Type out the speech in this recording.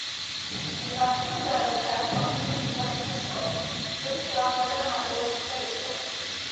El partit popular austríac es va mantenir el partit més fort, tot i que van perdre la majoria absoluta d'escons.